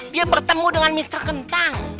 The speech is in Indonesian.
dia bertemu dengan mr kentang